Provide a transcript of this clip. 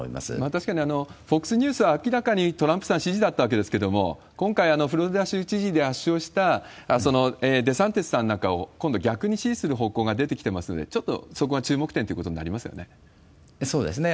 確かに、ＦＯＸニュースは明らかにトランプさん支持だったわけですけれども、今回、フロリダ州知事で圧勝したデサンテスさんなんかを今度逆に支持する方向が出てきてますので、ちょっとそこは注目点ということになそうですね。